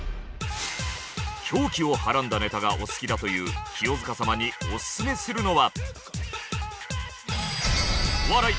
狂気をはらんだネタがお好きだという清塚様にオススメするのは。